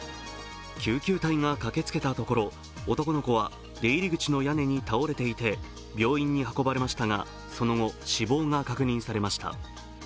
救急隊が駆けつけたところ、男の子は出入り口の屋根に倒れていて、病院に運ばれましたが、その後、死亡が確認されました。